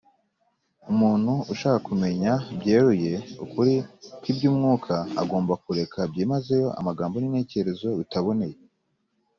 umuntu ushaka kumenya byeruye ukuri kw’iby’umwuka agomba kureka byimazeyo amagambo n’intekerezo bitaboneye